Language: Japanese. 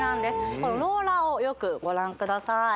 このローラーをよくご覧ください